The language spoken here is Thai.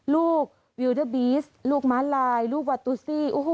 ลูกวิวเดอร์บีสลูกม้าลายลูกวาตุซี่